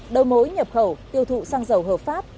đầu mối nhập khẩu tiêu thụ xăng dầu hợp pháp